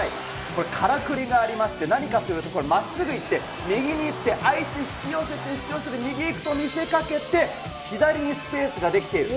これ、からくりがありまして、何かというと、まっすぐ右に行って、相手引き寄せて、引き寄せて右行くと見せて、左にスペースが出来ている。